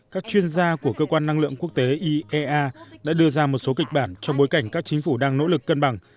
các chuyên gia của cơ quan năng lượng quốc tế iea đã đưa ra một số kịch bản trong bối cảnh các chính phủ đang nỗ lực cân bằng